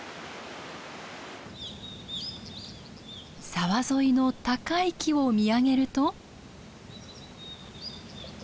沢沿いの高い木を見上げると。